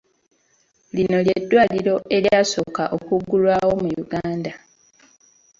Lino lye dddwaliro eryasooka okuggulwawo mu Uganda?